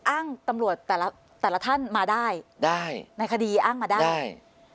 อ้างตำรวจแต่ละแต่ละท่านมาได้ได้ในคดีอ้างมาได้ใช่